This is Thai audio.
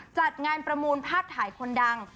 จัดงานประมูลภาพถ่ายคนดัง